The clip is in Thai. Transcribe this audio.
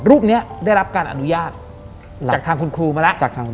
รูปนี้ได้รับการอนุญาตจากทางคุณครูมาแล้ว